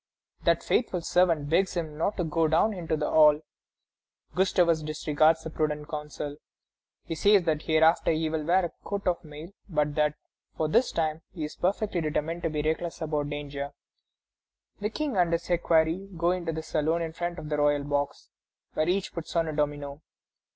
That faithful servant begs him not to go down into the hall. Gustavus disregards the prudent counsel. He says that hereafter he will wear a coat of mail, but that, for this time, he is perfectly determined to be reckless about danger. The King and his equerry go into the saloon in front of the royal box, where each puts on a domino.